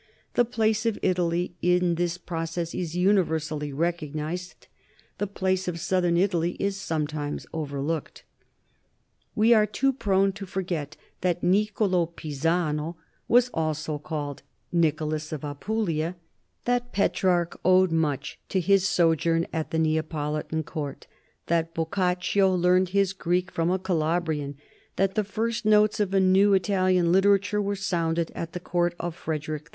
The place of Italy in this process is universally recognized ; the place of southern Italy is sometimes overlooked. We are too prone to forget that Niccola Pisano was also called Nicholas of Apulia; that Petrarch owed much to his sojourn at the Neapolitan court; that Boccaccio learned his Greek from a Calabrian; that the first notes of a new Italian literature were sounded at the court of Frederick II.